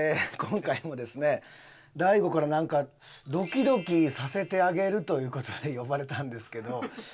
今回もですね大悟からなんかドキドキさせてあげるという事で呼ばれたんですけど。